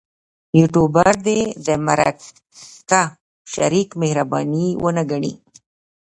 یوټوبر دې د مرکه شریک مهرباني ونه ګڼي.